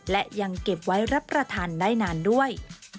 และยังเก็บไว้รับประทานได้นานด้วย